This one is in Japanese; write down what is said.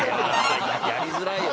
やりづらいよね。